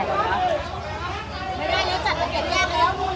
ดีหรอหมอ